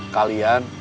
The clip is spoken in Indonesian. jadi yang selesa